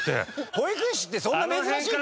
保育士ってそんな珍しいの？